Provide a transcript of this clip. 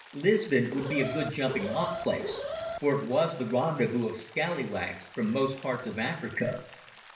Lisbon would be a good jumping off place, for it was the rendezvous of scallywags from most parts of Africa.